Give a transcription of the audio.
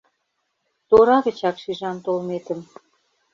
Тора гычак шижам толметым